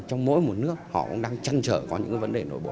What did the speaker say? trong mỗi một nước họ cũng đang trăn trở qua những cái vấn đề nổi bộ